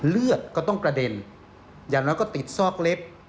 เลือดก็ต้องกระเด็นอย่างน้อยก็ติดซอกเล็บ